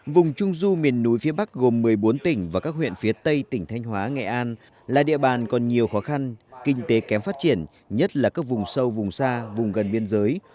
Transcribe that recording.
vùng trung du miền núi phía bắc gồm một mươi bốn tỉnh và các huyện phía tây tỉnh thanh hóa nghệ an là địa bàn còn nhiều khó khăn kinh tế kém phát triển nhất là các vùng sâu vùng xa vùng gần biên giới